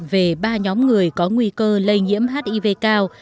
về ba nhóm người có nguy cơ lây nhiễm hiv cao